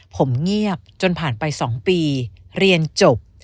ผมเงียบจนผ่านไป๒ปีเรียนจบ